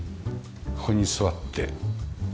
ここに座って。